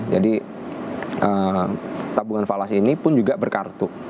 jadi tabungan falas ini pun juga berkartu